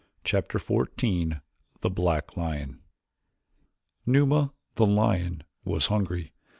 Chapter XIV The Black Lion Numa, the lion, was hungry.